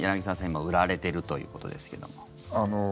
今、売られているということですが。